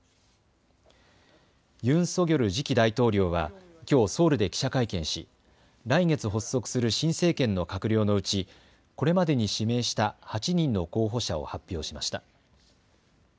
ユン・ソギョル次期大統領はきょうソウルで記者会見し来月発足する新政権の閣僚のうちこれまでに指名した８人の候補者を発表しました。